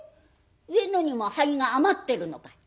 上野にも灰が余ってるのかい？」。